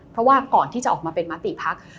เพราะว่าก่อนที่จะออกมาเป็นมติภักดิ์